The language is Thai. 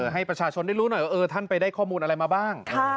ให้ประชาชนได้รู้หน่อยว่าท่านไปได้ข้อมูลอะไรมาบ้าง